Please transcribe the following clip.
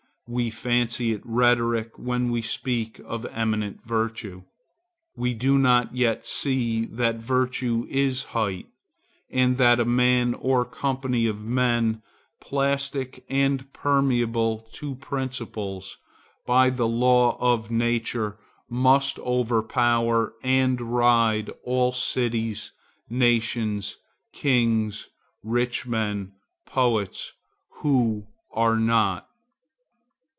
We fancy it rhetoric when we speak of eminent virtue. We do not yet see that virtue is Height, and that a man or a company of men, plastic and permeable to principles, by the law of nature must overpower and ride all cities, nations, kings, rich men, poets, who are not.